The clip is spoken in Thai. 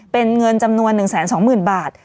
เป็นเงินจำนวน๑๒๐๐๐บาท